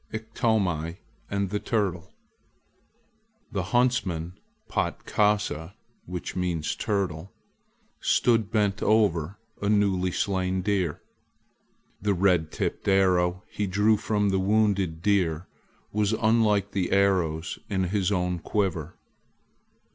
IKTOMI AND THE TURTLE THE huntsman Patkasa (turtle) stood bent over a newly slain deer. The red tipped arrow he drew from the wounded deer was unlike the arrows in his own quiver.